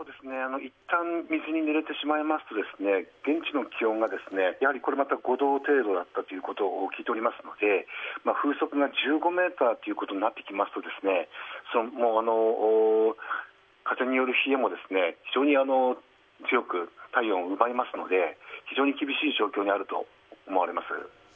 一旦、水に濡れてしまいますと、現地の気温が、これまた５度程度だったと聞いておりますので、風速が１５メートルということになってきますと、風による冷えも非常に強く、体温を奪いますので、非常に厳しい状況にあると思われます。